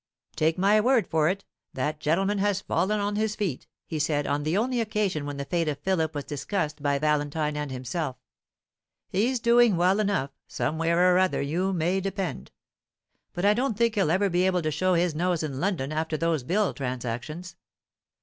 "Take my word for it, that gentleman has fallen on his feet," he said, on the only occasion when the fate of Philip was discussed by Valentine and himself. "He's doing well enough, somewhere or other, you may depend; but I don't think he'll ever be able to show his nose in London after those bill transactions.